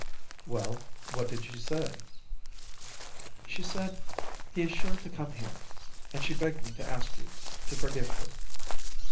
"Well, what did she say?" "She said, 'He is sure to come here,' and she begged me to ask you to forgive her."